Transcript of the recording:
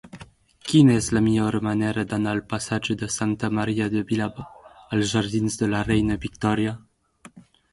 Quina és la millor manera d'anar del passatge de Santa Maria de Vilalba als jardins de la Reina Victòria?